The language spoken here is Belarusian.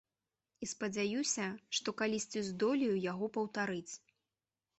І спадзяюся, што калісьці здолею яго паўтарыць.